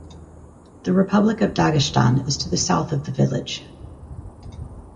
The republic of Dagestan is to the south of the village.